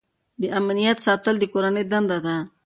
د امنیت ساتل د کورنۍ دنده ده.